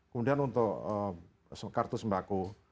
kemudian untuk kartu sembaku